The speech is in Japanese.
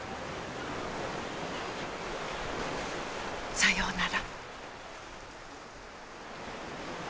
さようなら。